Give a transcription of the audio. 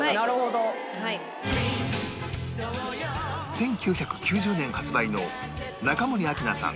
１９９０年発売の中森明菜さん